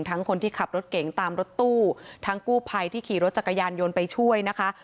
คนที่ขับรถเก่งตามรถตู้ทั้งกู้ภัยที่ขี่รถจักรยานยนต์ไปช่วยนะคะ